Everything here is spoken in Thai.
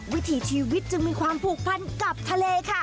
วิถีชีวิตจึงมีความผูกพันกับทะเลค่ะ